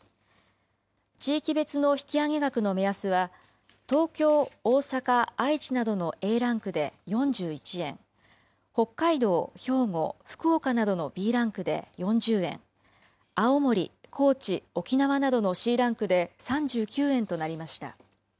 地域別の引き上げ額の目安は、東京、大阪、愛知などのＡランクで４１円、北海道、兵庫、福岡などのＢランクで４０円、青森、高知、沖縄などのＣランクで３９円となりました。